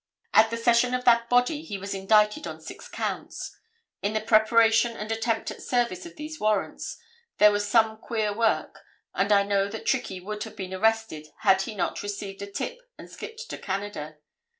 At the session of that body he was indicted on six counts. In the preparation and attempt at service of these warrants, there was some queer work, and I know that Trickey would have been arrested, had he not received a tip and skipped to Canada.